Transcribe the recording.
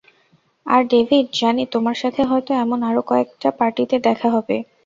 আর, David, জানি তোমার সাথে হয়তো এমন আরো কয়েকটা পার্টিতে দেখা হবে।